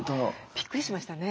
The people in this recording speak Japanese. びっくりしましたね。